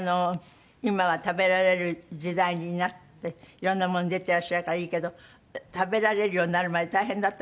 今は食べられる時代になって色んなものに出てらっしゃるからいいけど食べられるようになるまで大変だった？